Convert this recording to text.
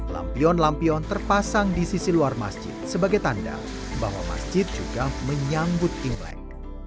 lampion lampion terpasang di sisi luar masjid sebagai tanda bahwa masjid juga menyambut imlek